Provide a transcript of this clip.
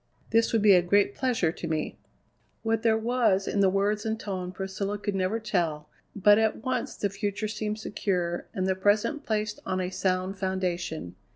This would be a great pleasure to me." What there was in the words and tone Priscilla could never tell, but at once the future seemed secure, and the present placed on a sound foundation.